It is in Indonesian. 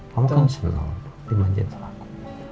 kamu kan seneng dimanjain sama aku